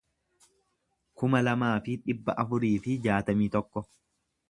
kuma lamaa fi dhibba afurii fi jaatamii tokko